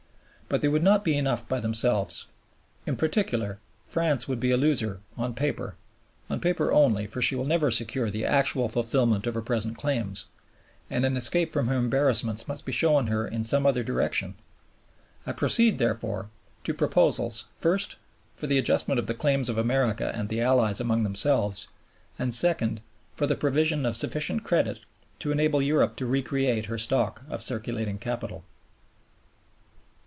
But they would not be enough by themselves. In particular, France would be a loser on paper (on paper only, for she will never secure the actual fulfilment of her present claims), and an escape from her embarrassments must be shown her in some other direction. I proceed, therefore, to proposals, first, for the adjustment of the claims of America and the Allies amongst themselves; and second, for the provision of sufficient credit to enable Europe to re create her stock of circulating capital.